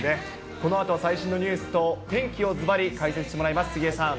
このあと、最新のニュースと、天気をずばり解説してもらいます、杉江さん。